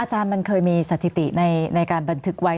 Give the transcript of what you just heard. อาจารย์มันเคยมีสถิติในการบันทึกไว้